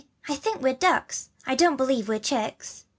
I think we're ducks; I don't believe we're chicks!"